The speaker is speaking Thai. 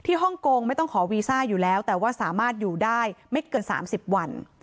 ฮ่องกงไม่ต้องขอวีซ่าอยู่แล้วแต่ว่าสามารถอยู่ได้ไม่เกิน๓๐วัน